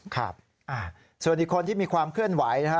ครับส่วนอีกคนที่มีความเคลื่อนไหวนะครับ